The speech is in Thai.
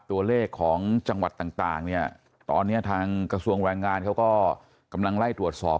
ตัวเลขของจังหวัดต่างเนี่ยตอนนี้ทางกระทรวงแรงงานเขาก็กำลังไล่ตรวจสอบ